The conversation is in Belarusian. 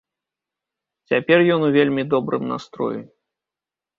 Цяпер ён у вельмі добрым настроі.